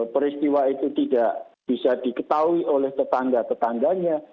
peristiwa itu tidak bisa diketahui oleh tetangga tetangganya